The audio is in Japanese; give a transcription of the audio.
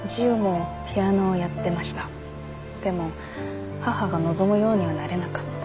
でも母が望むようにはなれなかった。